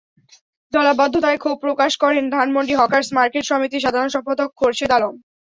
জলাবদ্ধতায় ক্ষোভ প্রকাশ করেন ধানমন্ডি হকার্স মার্কেট সমিতির সাধারণ সম্পাদক খোরশেদ আলম।